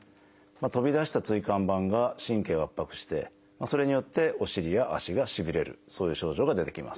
飛び出した椎間板が神経を圧迫してそれによってお尻や足がしびれるそういう症状が出てきます。